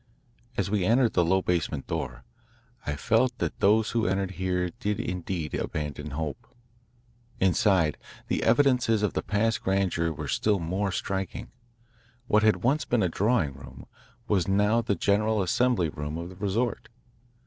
As we entered the low basement door, I felt that those who entered here did indeed abandon hope. Inside, the evidences of the past grandeur were still more striking. What had once been a drawing room was now the general assembly room of the resort.